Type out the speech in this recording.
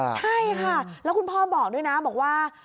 ใช่ค่ะแล้วคุณพ่อบอกด้วยนะบอกว่า